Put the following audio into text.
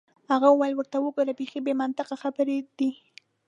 هغې وویل: ورته وګوره، بیخي بې منطقه خبرې دي.